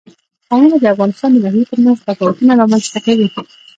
قومونه د افغانستان د ناحیو ترمنځ تفاوتونه رامنځ ته کوي.